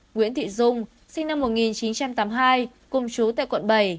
nguyễn thị dung sinh năm một nghìn chín trăm tám mươi hai cùng chú tại quận bảy